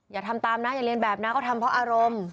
อย่าทำตามนะอย่าเรียนแบบนะเขาทำเพราะอารมณ์